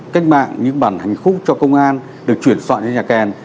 cách mạng những bản hành khúc cho công an được chuyển soạn lên nhà kèn